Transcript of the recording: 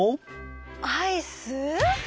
アイス？